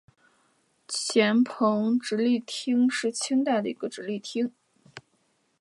黔彭直隶厅是清代的一个直隶厅。